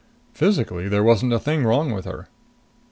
Physically there wasn't a thing wrong with her.